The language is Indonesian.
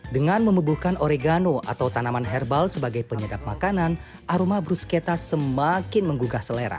dengan membubuhkan oregano atau tanaman herbal sebagai penyedap makanan aroma bruschetta semakin menggugah selera